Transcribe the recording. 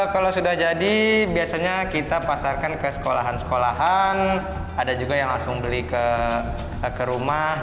kalau sudah jadi biasanya kita pasarkan ke sekolahan sekolahan ada juga yang langsung beli ke rumah